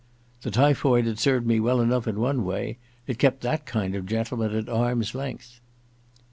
The typhoid had served me well enough in one way : it kept that kind of gentleman at arm's length.